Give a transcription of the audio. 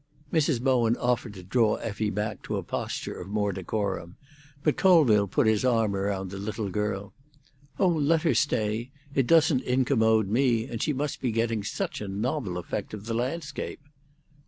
Mrs. Bowen offered to draw Effie back to a posture of more decorum, but Colville put his arm round the little girl. "Oh, let her stay! It doesn't incommode me, and she must be getting such a novel effect of the landscape."